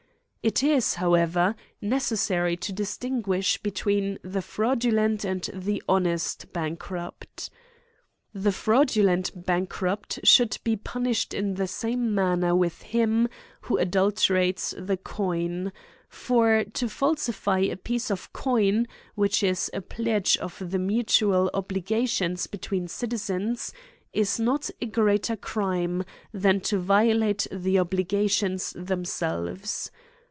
It is, however, necessary to distinguish between the fraudulent and the honest bankrupt. The fraudulent bankrupt should be punished in the same manner with him who adulterates the coin; for, to falsify a piece of coin, which is a pledge of the mutual obligations between citizens, is not a greater crime than to violate the obligations themselves.